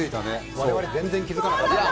我々、全然気づかなくて。